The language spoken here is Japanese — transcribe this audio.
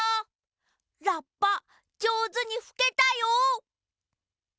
ラッパじょうずにふけたよ！